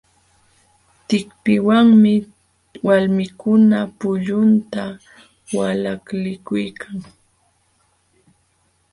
Tikpiwanmi walmikuna pullunta walaklikulkan.